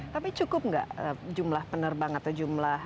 tapi cukup nggak jumlah penerbang atau jumlah